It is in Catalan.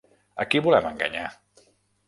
A qui volem enganyar?